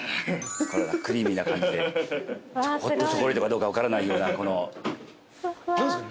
これはクリーミーな感じでホットチョコレートかどうか分からないようなこの。何すか？